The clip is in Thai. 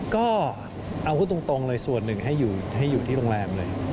ก็เอาพูดตรงเลยส่วนหนึ่งให้อยู่ที่โรงแรมเลย